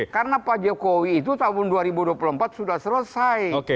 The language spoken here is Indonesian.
karena pak jokowi itu tahun dua ribu dua puluh empat sudah selesai